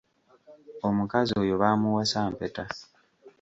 Omukazi oyo baamuwasa mpeta.